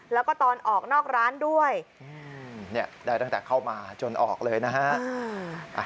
แล้วก็ตอนออกนอกร้านด้วยได้ตั้งแต่เข้ามาจนออกเลยนะฮะ